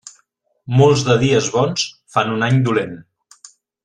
Molts de dies bons fan un any dolent.